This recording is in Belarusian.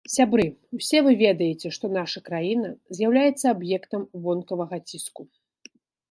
Сябры, усе вы ведаеце, што наша краіна з'яўляецца аб'ектам вонкавага ціску.